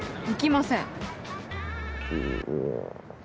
行きません。